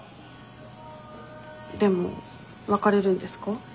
でも別れるんですか？